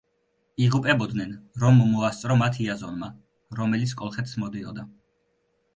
იღუპებოდნენ, რომ მოასწრო მათ იაზონმა, რომელიც კოლხეთს მოდიოდა.